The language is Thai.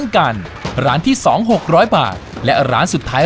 คาเบลด้วย